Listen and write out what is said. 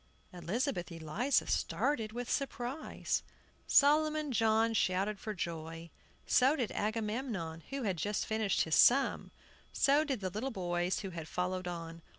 Elizabeth Eliza started with surprise. Solomon John shouted with joy; so did Agamemnon, who had just finished his sum; so did the little boys, who had followed on.